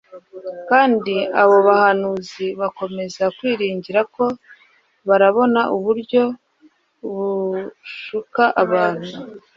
kandi abo bahanuzi bakomeza kwiringira ko barabona uburyo bashuka abantu